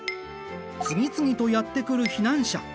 次々とやって来る避難者。